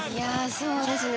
そうですね。